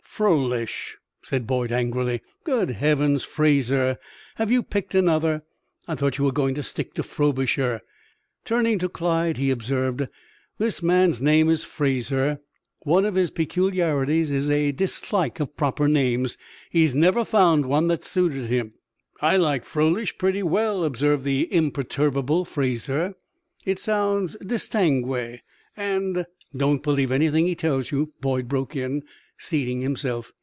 "'Froelich'!" said Boyd, angrily; "good heavens, Fraser, have you picked another? I thought you were going to stick to 'Frobisher.'" Turning to Clyde, he observed: "This man's name is Fraser. One of his peculiarities is a dislike of proper names. He has never found one that suited him." "I like 'Froelich' pretty well," observed the imperturbable Fraser. "It sounds distanguay, and " "Don't believe anything he tells you," Boyd broke in, seating himself.